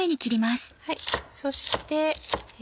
そして。